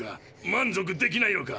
満足できないのか？